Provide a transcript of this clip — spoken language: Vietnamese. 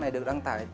để đăng tải